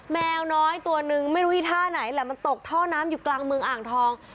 แมวน้อยตัวนึงไม่รู้อีท่าไหนแหละมันตกท่อน้ำอยู่กลางเมืองอ่างทอง